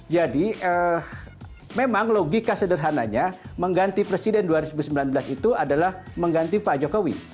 jadi memang logika sederhananya mengganti presiden dua ribu sembilan belas itu adalah mengganti pak jokowi